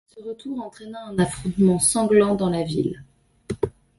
Ce retour entraîna un affrontement sanglant dans la ville.